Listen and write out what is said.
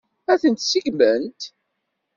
Ad tent-seggment?